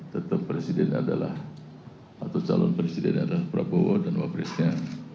tetap presiden adalah atau calon presiden adalah prabowo dan wapresnya